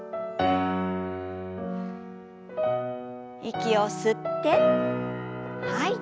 息を吸って吐いて。